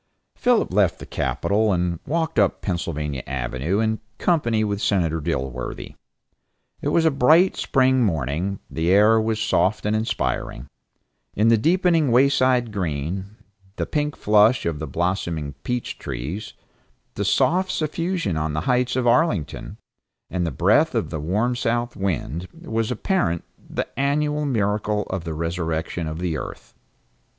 Philip left the capitol and walked up Pennsylvania Avenue in company with Senator Dilworthy. It was a bright spring morning, the air was soft and inspiring; in the deepening wayside green, the pink flush of the blossoming peach trees, the soft suffusion on the heights of Arlington, and the breath of the warm south wind was apparent, the annual miracle of the resurrection of the earth.